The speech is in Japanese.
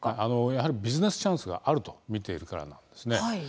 やはりビジネスチャンスがあると見ているからなんですね。